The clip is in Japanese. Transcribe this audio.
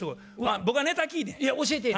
僕はネタ聞いてん。